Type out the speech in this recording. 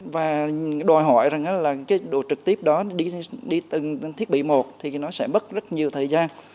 và đòi hỏi rằng là cái đồ trực tiếp đó đi từng thiết bị một thì nó sẽ mất rất nhiều thời gian